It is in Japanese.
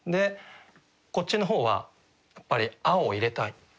こっちの方はやっぱり「青」を入れたい。